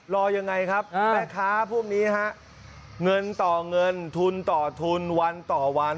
รอยังไงครับแม่ค้าพวกนี้ฮะเงินต่อเงินทุนต่อทุนวันต่อวัน